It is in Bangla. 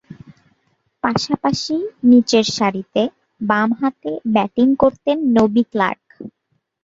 পাশাপাশি নিচেরসারিতে বামহাতে ব্যাটিং করতেন নবি ক্লার্ক।